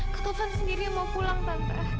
taufan sendiri mau pulang tante